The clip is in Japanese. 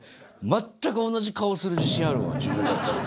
全く同じ顔する自信あるわ、自分だったら。